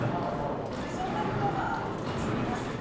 そうなるとまあ作りますよね